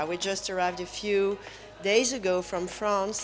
kami baru saja tiba beberapa hari lalu dari france